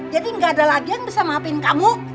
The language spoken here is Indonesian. jadi gak ada lagi yang bisa maafin kamu